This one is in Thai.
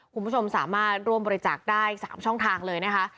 คุณผู้ชมสามารถร่วมบริจาคได้๓ช่องทางเลยนะคะ